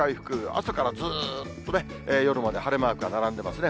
朝からずっとね、夜まで晴れマークが並んでますね。